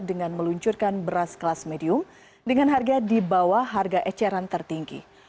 dengan meluncurkan beras kelas medium dengan harga di bawah harga eceran tertinggi